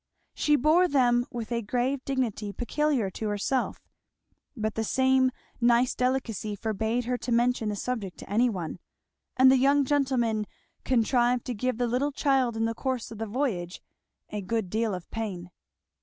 She bore them with a grave dignity peculiar to herself, but the same nice delicacy forbade her to mention the subject to any one; and the young gentlemen contrived to give the little child in the course of the voyage a good deal of pain.